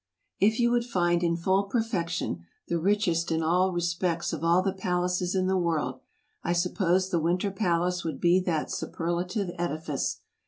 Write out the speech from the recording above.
If you would find in full perfection the richest in all re spects of all the palaces in the world, I suppose the Winter Palace would be that superlative edifice.